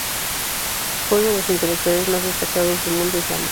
Fue uno de los intelectuales más destacados del mundo islámico.